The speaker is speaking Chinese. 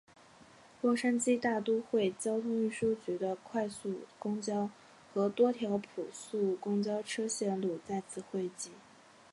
洛杉矶大都会交通运输局的快速公交和多条普速公交车线路在此汇集。